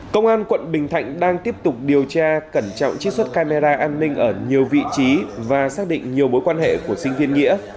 công an quận bình thạnh đang tiếp tục điều tra cẩn trọng chiếc xuất camera an ninh ở nhiều vị trí và xác định nhiều mối quan hệ của sinh viên nghĩa